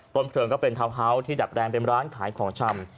เพลิงก็เป็นทาวน์ฮาส์ที่ดัดแรงเป็นร้านขายของชำ